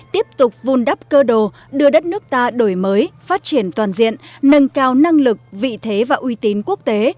tiếp tục vun đắp cơ đồ đưa đất nước ta đổi mới phát triển toàn diện nâng cao năng lực vị thế và uy tín quốc tế